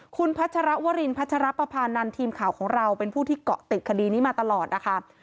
คุณพัชรวรินพัชรปภานันทีมข่าวของเราเป็นผู้ที่เกาะติดคดีนี้มาตลอดนะคะ